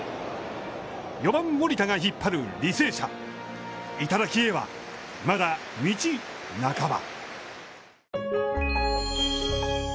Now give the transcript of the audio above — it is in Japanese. ４番森田が引っ張る履正社、頂へは、まだ道半ば。